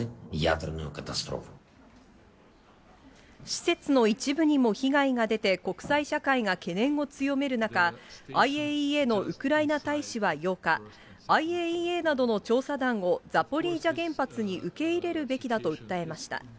施設の一部にも被害が出て、国際社会が懸念を強める中、ＩＡＥＡのウクライナ大使は８日、ＩＡＥＡなどの調査団をザポリージャ原発に受け入れるべきだと訴えました。